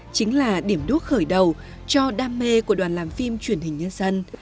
chính là điểm đuốc khởi đầu cho đam mê của đoàn làm phim truyền hình nhân dân